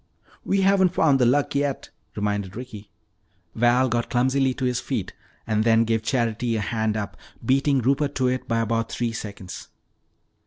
"We haven't found the Luck yet," reminded Ricky. Val got clumsily to his feet and then gave Charity a hand up, beating Rupert to it by about three seconds.